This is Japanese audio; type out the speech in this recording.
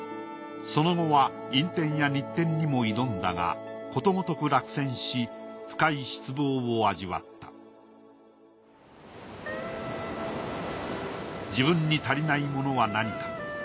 その後は院展や日展にも挑んだがことごとく落選し深い失望を味わった自分に足りないものは何か。